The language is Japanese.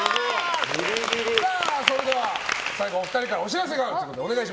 それでは最後お二人からお知らせがあるということで。